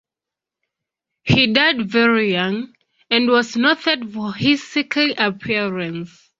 He died very young, and was noted for his sickly appearance.